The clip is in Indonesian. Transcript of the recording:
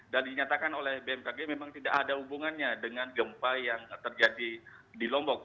dan dinyatakan oleh bnkk memang tidak ada hubungannya dengan gempa yang terjadi di lombok